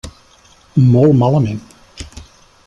Molt malament.